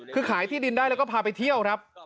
คือขายที่ดินได้แล้วก็พาไปเที่ยวครับ